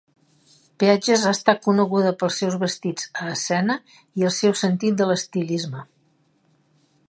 Peaches ha estat coneguda pels seus vestits a escena i el seu sentit de l'estilisme.